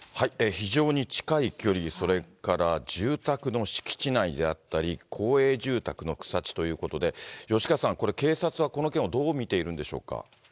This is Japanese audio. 非常に近い距離、それから住宅の敷地内であったり、公営住宅の草地ということで、吉川さん、これ、警察はこの件をどう見ているんでしょうか。